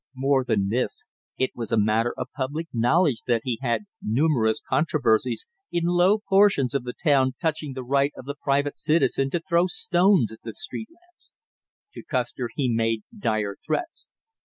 More than this, it was a matter of public knowledge that he had had numerous controversies in low portions of the town touching the right of the private citizen to throw stones at the street lamps; to Custer he made dire threats.